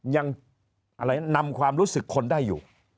ยังนำความรู้สึกคนได้อยู่